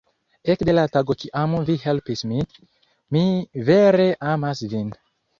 Ekde la tago kiam vi helpis min, mi vere amas vin.